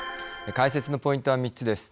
解説のポイントは３つです。